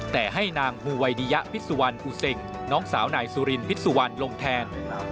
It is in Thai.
แต่ให้นางฮูวัยดิยะพิษวันอุเซงน้องสาวหน่ายสุรินพิษวันลงแทน